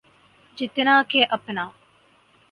جتنا کہ اپنا۔